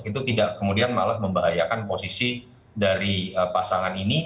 itu tidak kemudian malah membahayakan posisi dari pasangan ini